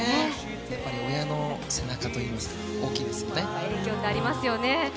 親の背中といいますか大きいですよね。